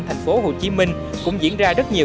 thành phố hồ chí minh cũng diễn ra rất nhiều